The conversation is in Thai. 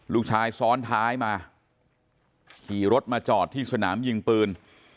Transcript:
สุดท้ายซ้อนท้ายมาขี่รถมาจอดที่สนามยิงปืน